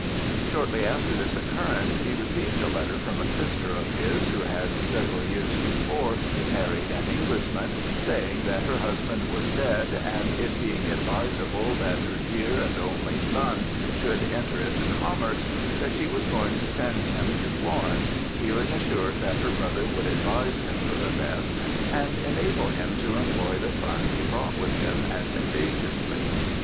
"Shortly after this occurrence, he received a letter from a sister of his who had several years before married an Englishman, saying that her husband was dead, and it being advisable that her dear and only son should enter into commerce, that she was going to send him to Florence, feeling assured that her brother would advise him for the best, and enable him to employ the funds he brought with him advantageously.